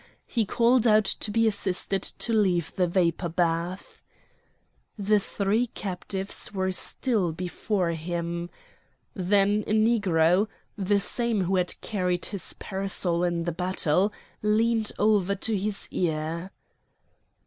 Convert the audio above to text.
He called out to be assisted to leave the vapour bath. The three captives were still before him. Then a Negro (the same who had carried his parasol in the battle) leaned over to his ear.